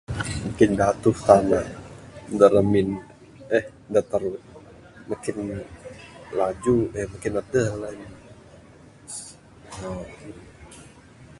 Makin datuh tana dak remin uhh dak terun makin laju uhh makin adeh line uhh